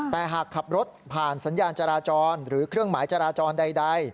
แต่หากขับรถผ่านสัญญาณจราจรหรือเครื่องหมายจราจรใด